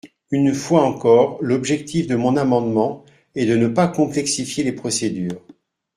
Une fois encore, l’objectif de mon amendement est de ne pas complexifier les procédures.